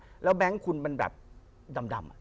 สมมติว่าแบงค์คุณมันแบบดำ